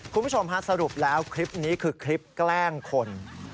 คุณผู้ชมฮะสรุปแล้วคลิปนี้คือคลิปแกล้งคน